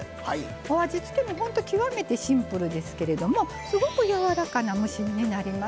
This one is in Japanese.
お味付けもほんと極めてシンプルですけれどもすごくやわらかな蒸し煮になります。